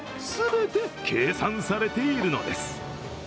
全て計算されているのです。